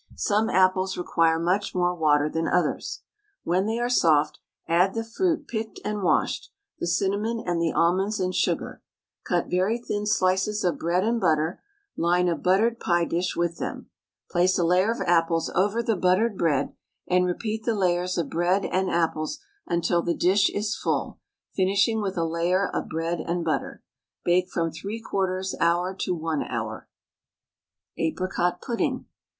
Some apples require much more water than others. When they are soft, add the fruit picked and washed, the cinnamon, and the almonds and sugar. Cut very thin slices of bread and butter, line a buttered pie dish with them. Place a layer of apples over the buttered bread, and repeat the layers of bread and apples until the dish is full, finishing with a layer of bread and butter. Bake from 3/4 hour to 1 hour. APRICOT PUDDING.